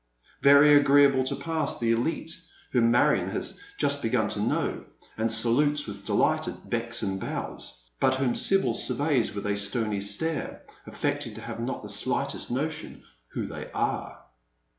Very agreeable to pass the elite whom Marion has just begun to know, and salutes with delighted becks and bows, but whom Sibyl surveys wiih a stony stare, affecting to have not the faintest notion who they are.